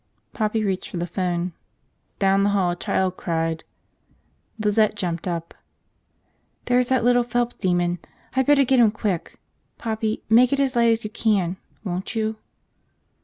Poppy reached for the phone. Down the hall a child cried. Lizette jumped up. "There's that little Phelps demon. I better get him quick. Poppy, make it as light as you can, won't you?"